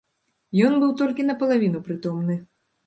Ён быў толькі напалавіну прытомны.